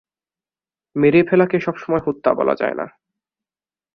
মেরে ফেলাকে সবসময় হত্যা বলা যায় না!